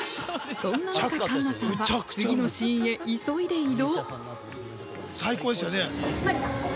そんな中、環奈さんは次のシーンへ急いで移動。